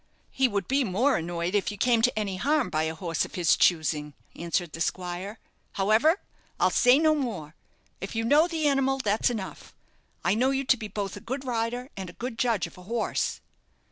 "He would be more annoyed if you came to any harm by a horse of his choosing," answered the squire. "However I'll say no more. If you know the animal, that's enough. I know you to be both a good rider and a good judge of a horse."